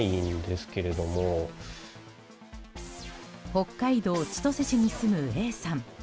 北海道千歳市に住むＡさん。